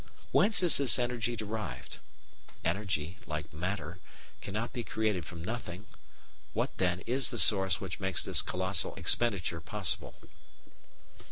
Whence is this energy derived? Energy, like matter, cannot be created from nothing; what, then, is the source which makes this colossal expenditure possible.